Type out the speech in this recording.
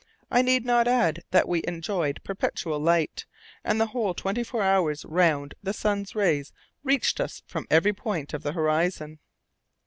I need not add that we enjoyed perpetual light, and the whole twenty four hours round the sun's rays reached us from every point of the horizon.